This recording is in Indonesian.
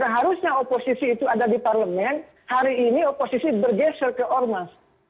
seharusnya oposisi itu ada di parlemen hari ini oposisi bergeser ke ormas